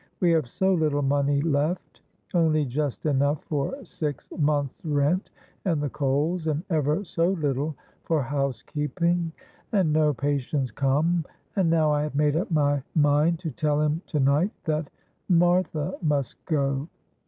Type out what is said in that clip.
We have so little money left only just enough for six months' rent and the coals, and ever so little for housekeeping, and no patients come, and now I have made up my mind to tell him to night that Martha must go."